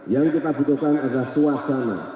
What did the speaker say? yang kita butuhkan adalah suasana